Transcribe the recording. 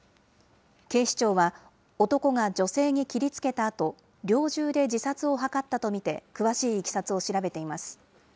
警視庁は、男が女性に切りつけたあと、猟銃で自殺を図ったと見て、詳しいいきさつを調べています。